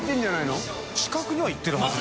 戸次）近くには行ってるはずですよね。